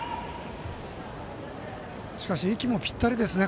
しかし息もぴったりですね。